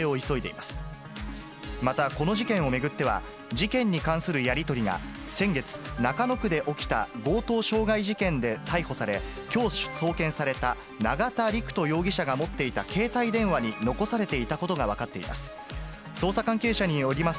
また、この事件を巡っては、事件に関するやり取りが先月、中野区で起きた強盗傷害事件で逮捕され、きょう送検された永田陸人容疑者が持っていた携帯電話に残されていたことが分かっています。